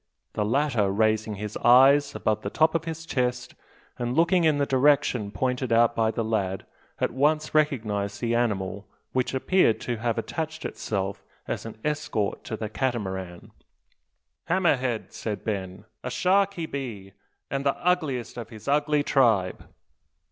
The latter, raising his eyes above the top of his chest, and looking in the direction pointed out by the lad, at once recognised the animal which appeared to have attached itself as an escort to the Catamaran. "Hammer head!" said Ben; "a shark he be; an' the ugliest o' his ugly tribe."